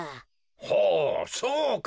ほうそうか。